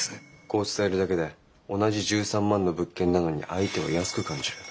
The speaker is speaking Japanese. こう伝えるだけで同じ１３万の物件なのに相手は安く感じる。